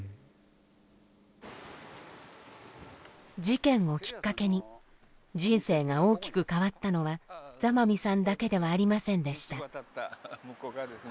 事件をきっかけに人生が大きく変わったのは座間味さんだけではありませんでした。